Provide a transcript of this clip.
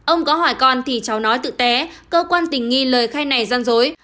ông có hỏi con thì cháu nói tự té cơ quan tình nghi lời khai này gian dối